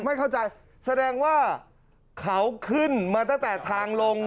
ไม่เข้าใจแสดงว่าเขาขึ้นมาตั้งแต่ทางลง